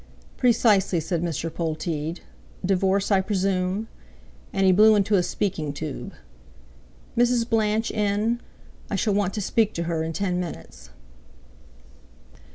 "Precisely," said Mr. Polteed; "divorce, I presume?" and he blew into a speaking tube. "Mrs. Blanch in? I shall want to speak to her in ten minutes."